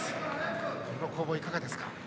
今の攻防、いかがですか。